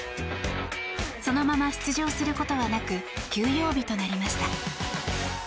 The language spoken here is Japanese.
そのまま出場することはなく休養日となりました。